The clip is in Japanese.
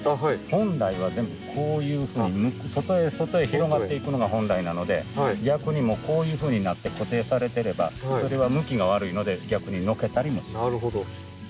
本来は全部こういうふうに外へ外へ広がっていくのが本来なので逆にこういうふうになって固定されてればこれは向きが悪いので逆にのけたりもします。